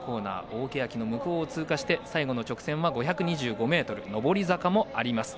大けやきの向こうを通過して最後の直線は５２５ｍの上り坂もあります。